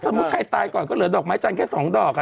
ใครตายก่อนก็เหลือดอกไม้จันทร์แค่๒ดอก